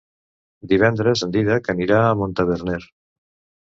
Divendres en Dídac anirà a Montaverner.